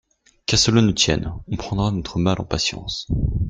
Qu’à cela ne tienne, on prendra notre mal en patience.